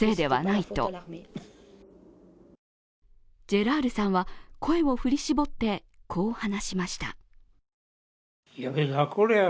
ジェラールさんは、声を振り絞って、こう話しました。